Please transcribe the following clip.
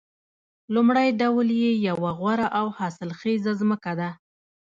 لومړی ډول یې یوه غوره او حاصلخیزه ځمکه ده